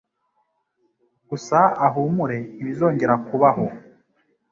gusa uhumure ntibizongera kubaho,